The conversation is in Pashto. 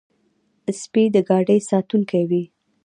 سپي د ګاډي ساتونکي وي.